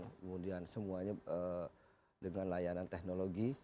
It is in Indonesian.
kemudian semuanya dengan layanan teknologi